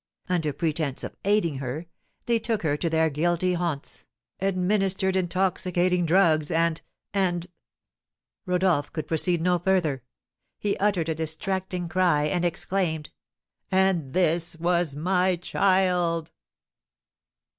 Under pretence of aiding her, they took her to their guilty haunts, administered intoxicating drugs, and and " Rodolph could proceed no further. He uttered a distracting cry, and exclaimed, "And this was my child!"